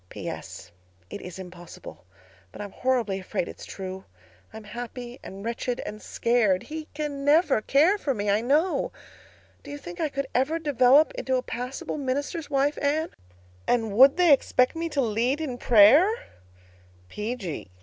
"P.S. It is impossible—but I am horribly afraid it's true. I'm happy and wretched and scared. He can never care for me, I know. Do you think I could ever develop into a passable minister's wife, Anne? And would they expect me to lead in prayer?